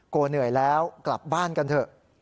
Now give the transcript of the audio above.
เหนื่อยแล้วกลับบ้านกันเถอะ